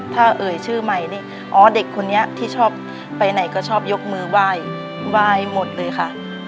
ถ้าเอ่ยชื่อใหม่นี่อ๋อเด็กคนนี้ที่ชอบไปไหนก็ชอบยกมือไหว้ไหว้หมดเลยค่ะ